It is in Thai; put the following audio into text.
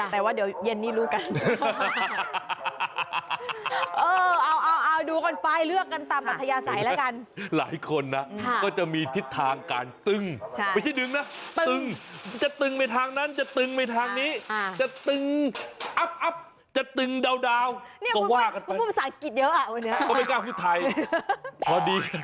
แต่ว่าเดี๋ยวเย็นนี้รู้กัน